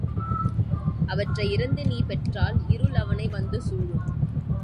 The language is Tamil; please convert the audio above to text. அவற்றை இரந்து நீ பெற்றால் இருள் அவனை வந்து சூழும்.